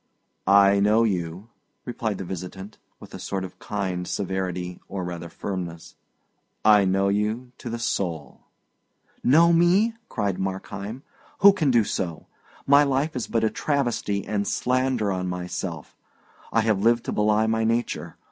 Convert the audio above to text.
"I know you," replied the visitant, with a sort of kind severity or rather firmness. "I know you to the soul." "Know me!" cried Markheim. "Who can do so? My life is but a travesty and slander on myself. I have lived to belie my nature.